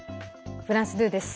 フランス２です。